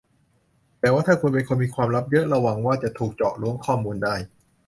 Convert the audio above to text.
แต่ว่าถ้าคุณเป็นคนมีความลับเยอะระวังว่าจะถูกเจาะล้วงข้อมูลได้